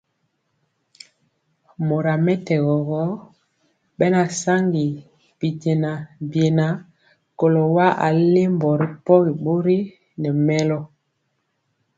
Mora mɛtɛgɔ gɔ, bɛna saŋgi bijɛna biena kɔlo wa alimbɔ ripɔgi bori nɛ mɛlɔ.